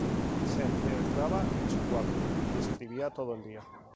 Se encerraba en su cuarto y escribía todo el día.